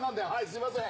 すいません。